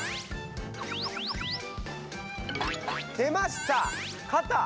出ました！